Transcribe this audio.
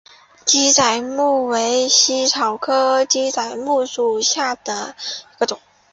鸡仔木为茜草科鸡仔木属下的一个种。